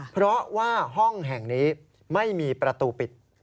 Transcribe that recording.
เพราะว่าห้องแห่งนี้ไม่มีประตูปิด